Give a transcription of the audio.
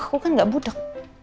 aku kan gak budak